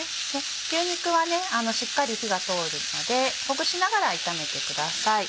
牛肉はしっかり火が通るまでほぐしながら炒めてください。